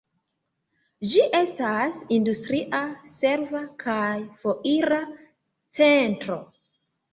Ĝi estas industria, serva kaj foira centro.